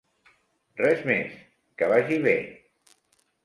Res més, que vagi bé.